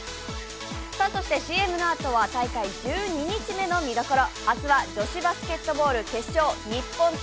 そしてＣＭのあとは大会１２日目の見どころ。